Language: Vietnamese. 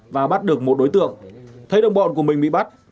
và bắt được một đối tượng thấy đồng bọn của mình bị bắt